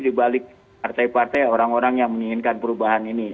dibalik partai partai orang orang yang menginginkan perubahan ini